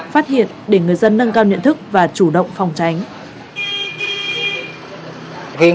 phát hiện để người dân nâng cao nhận thức và chủ động phòng tránh